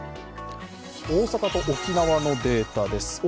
大阪と沖縄のデータです。